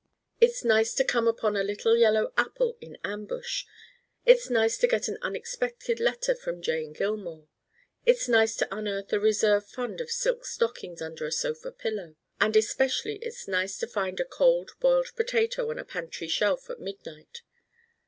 It's nice to come upon a little yellow apple in ambush. It's nice to get an unexpected letter from Jane Gillmore. It's nice to unearth a reserve fund of silk stockings under a sofa pillow. And especially it's nice to find a Cold Boiled Potato on a pantry shelf at midnight.